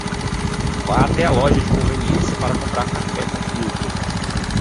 Vá até a loja de conveniência para comprar café com filtro